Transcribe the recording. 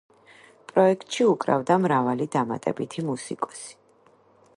პროექტში უკრავდა მრავალი დამატებითი მუსიკოსი.